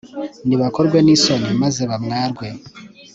nibakorwe n'isoni, maze bamwarwe